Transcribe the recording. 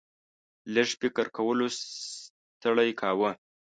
لږ فکر کولو ستړی کاوه.